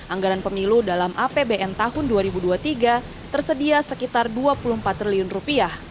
anggaran pemilu dalam apbn tahun dua ribu dua puluh tiga tersedia sekitar dua puluh empat triliun rupiah